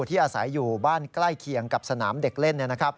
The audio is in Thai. ที่อาศัยอยู่บ้านใกล้เคียงกับสนามเด็กเล่น